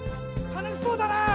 楽しそうだな。